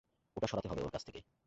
ওটা সরাতে হবে ওর কাছ থেকে।